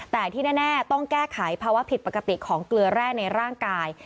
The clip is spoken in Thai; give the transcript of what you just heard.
แต่ที่แน่ต้องแก้ไขภาวะผิดปกติของเกลือแร่ในร่างกาย